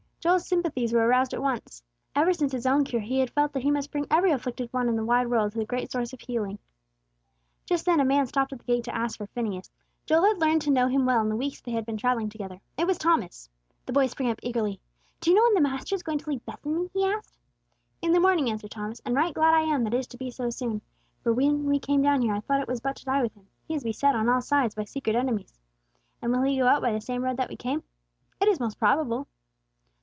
Joel's sympathies were aroused at once. Ever since his own cure, he had felt that he must bring every afflicted one in the wide world to the great source of healing. Just then a man stopped at the gate to ask for Phineas. Joel had learned to know him well in the weeks they had been travelling together; it was Thomas. The boy sprang up eagerly. "Do you know when the Master is going to leave Bethany?" he asked. "In the morning," answered Thomas, "and right glad I am that it is to be so soon. For when we came down here, I thought it was but to die with Him. He is beset on all sides by secret enemies." "And will He go out by the same road that we came?" "It is most probable."